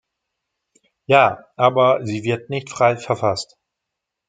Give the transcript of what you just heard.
Ja, aber sie wird nicht frei verfasst.